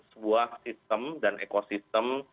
sebuah sistem dan ekosistem